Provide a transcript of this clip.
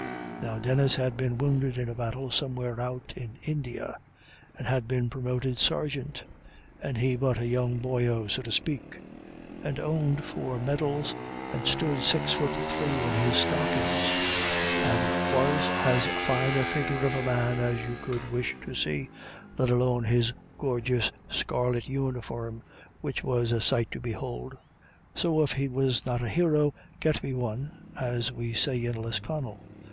Now Denis had been wounded in a battle somewhere out in India, and had been promoted sergeant "and he but a young boyo so to spake" and owned four medals, and stood six foot three in his stockings, and was as fine a figure of a man as you could wish to see, let alone his gorgeous scarlet uniform, which was a sight to behold; so if he was not a hero, get me one, as we say in Lisconnel.